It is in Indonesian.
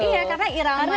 iya karena iramanya tuh